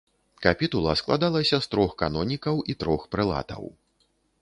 Капітула складалася з трох канонікаў і трох прэлатаў.